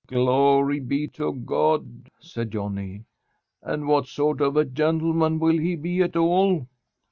"Glory be to God!" said Johnny, "and what sort of a gentleman will he be at all?"